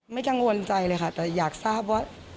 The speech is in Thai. กังวลใจเลยค่ะแต่อยากทราบว่า